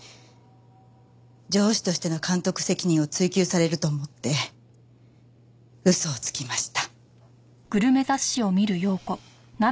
上司としての監督責任を追及されると思って嘘をつきました。